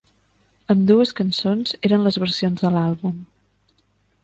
Ambdues cançons eren les versions de l'àlbum.